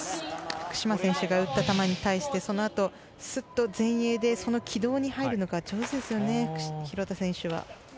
福島選手が打った球に対してそのあと、すっと前衛でその軌道に入るのが上手ですね、廣田選手は。